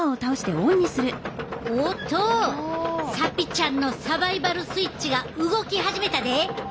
おっとサピちゃんのサバイバル・スイッチが動き始めたで。